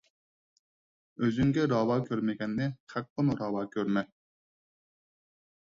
ئۆزۈڭگە راۋا كۆرمىگەننى خەققىمۇ راۋا كۆرمە.